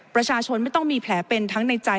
ประชาชนไม่ต้องมีแผลเป็นทั้งในใจ